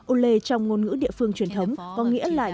ulleh trong ngôn ngữ địa phương truyền thống có nghĩa là những tuổi tuổi